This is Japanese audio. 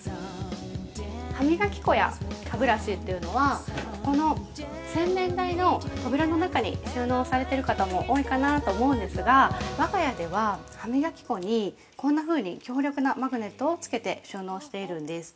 ◆歯磨き粉や歯ブラシっていうのは、ここの洗面台の扉の中に収納されてる方も多いかなと思うんですが、我が家では、歯磨き粉に、こんなふうに強力なマグネットを付けて収納しているんです。